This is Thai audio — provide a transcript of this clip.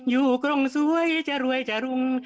กรงสวยจะรวยจะรุง